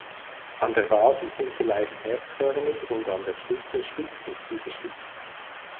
An der Basis sind sie leicht herzförmig und an der Spitze spitz bis zugespitzt.